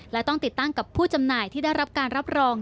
และต้องติดตั้งกับผู้จำหน่ายที่ได้รับการรับรอง